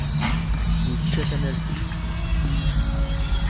Yečča tanalt-is.